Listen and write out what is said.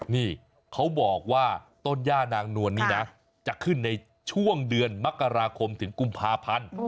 นี่เขาบอกว่าต้นย่านางนวลนี่นะจะขึ้นในช่วงเดือนมกราคมถึงกุมภาพันธ์